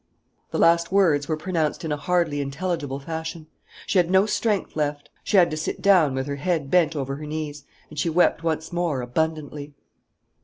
The last words were pronounced in a hardly intelligible fashion. She had no strength left. She had to sit down, with her head bent over her knees, and she wept once more, abundantly.